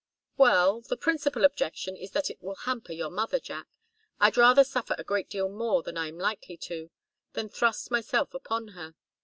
"Well, the principal objection is that it will hamper your mother, Jack. I'd rather suffer a great deal more than I'm likely to, than thrust myself upon her.